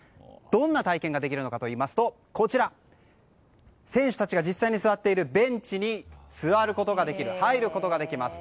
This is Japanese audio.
どんな体験ができるのかといいますと選手たちが実際座っているベンチに座ることができる入ることができます。